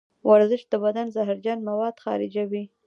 ورزش د بدن زهرجن مواد خارجوي.